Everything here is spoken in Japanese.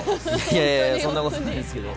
いやいやそんなことないですけど。